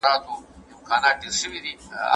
یو ږغ دی چي په خوب که مي په ویښه اورېدلی